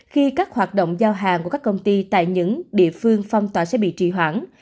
khi các hoạt động giao hàng của các công ty tại những địa phương phong tỏa sẽ bị trì hoãn